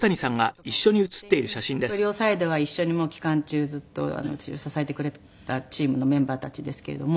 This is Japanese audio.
これ両サイドは一緒に期間中ずっと支えてくれていたチームのメンバーたちですけれども。